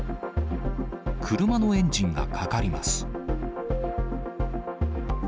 車のエンジンがかかります。